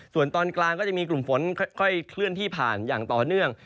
ส่วนตอนกลางก็จะมีกลุ่มฝนค่อยเคลื่อนที่ผ่านอย่างต่อเนื่อง